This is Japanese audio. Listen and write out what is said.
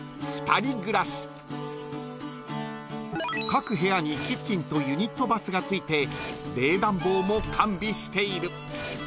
［各部屋にキッチンとユニットバスが付いて冷暖房も完備している］